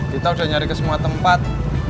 kita sudah nyari ke semua tempat